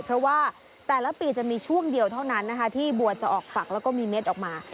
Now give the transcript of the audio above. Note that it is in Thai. เพราะว่าแต่ละปีจะมีช่วงเดียวเท่านั้นนะคะที่บัวจะออกฝักแล้วก็มีเม็ดออกมา